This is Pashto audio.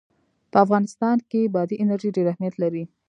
په افغانستان کې بادي انرژي ډېر اهمیت لري.